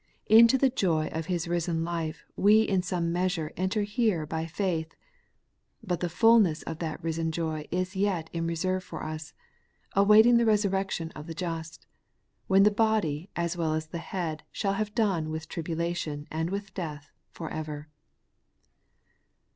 Into the joy of His risen life we in some measure enter here by faith ; but the fulness of that risen joy is yet in reserve for us, awaiting the resurrection of the just, when the body as well as the head shall have done with tribulation and with death for ever.